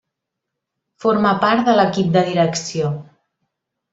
Forma part de l'equip de direcció.